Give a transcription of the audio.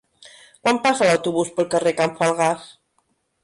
Quan passa l'autobús pel carrer Can Falgàs?